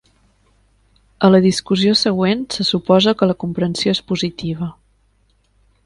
A la discussió següent se suposa que la comprensió és positiva.